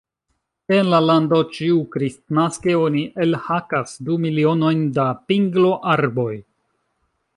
En la lando ĉiukristnaske oni elhakas du milionojn da pingloarboj.